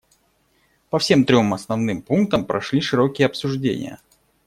По всем трем основным пунктам прошли широкие обсуждения.